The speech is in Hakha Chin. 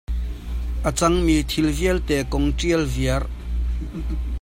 A cang mi thil vialte kong ṭial viar.